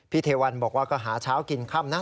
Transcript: เทวันบอกว่าก็หาเช้ากินค่ำนะ